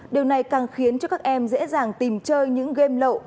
điều này càng khiến cho các em dễ dàng tìm chơi những game lậu